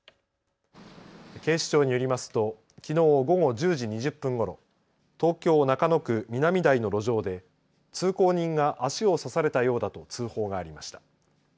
警視庁によりますときのう午後１０時２０分ごろ、東京中野区南台の路上で通行人が足を刺されたようだと通報がありました。